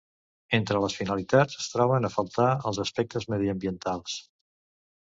Entre les finalitats, es troben a faltar els aspectes mediambientals.